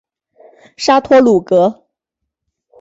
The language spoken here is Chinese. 沙托鲁格。